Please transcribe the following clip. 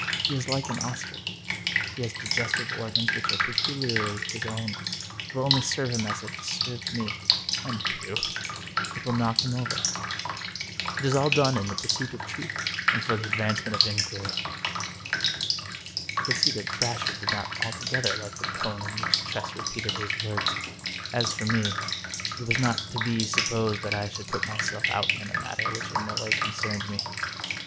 He is Hke an ostrich. He has digestive organs which are peculiarly his own. It will only serve him as it served me — and Pugh — ^it will knock him over. It is all done in the Pursuit of Truth and for the Advancement of Inquiry." I could see that Brasher did not altogether like the tone 235 English Mystery Stories in which Tress repeated his words. As for me, it was not to be supposed that I should put myself out in a matter which in no way concerned me.